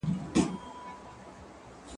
زه بايد سينه سپين وکړم